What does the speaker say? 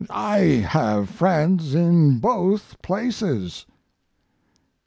I have friends in both places."